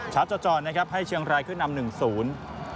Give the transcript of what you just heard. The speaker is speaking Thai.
ชาติจอดนะครับให้เชียงรายขึ้นอำนึงศูนย์